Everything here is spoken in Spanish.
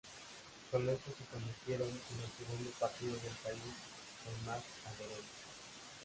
Con esto se convirtieron en el segundo partido del país con más adherentes.